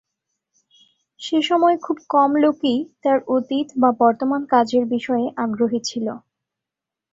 সেসময় খুব কম লোকই তার অতীত বা বর্তমান কাজের বিষয়ে আগ্রহী ছিল।